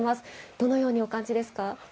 どのようにお感じですか？